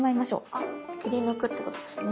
あ切り抜くってことですね？